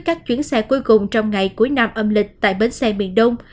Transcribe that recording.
các chuyến xe cuối cùng trong ngày cuối năm âm lịch tại bến xe miền đông